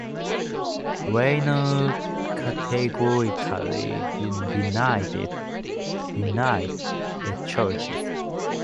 Raynor categorically denied the charges.